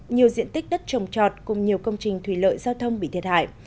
nhiều diện tích đất trồng trọt cùng nhiều công trình thủy lợi giao thông bị thiệt hại